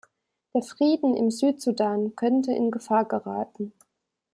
Der Frieden im Südsudan könnte in Gefahr geraten.